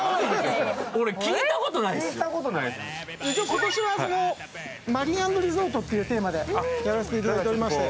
今年はマリン＆リゾートというテーマでやらせていただいていまして。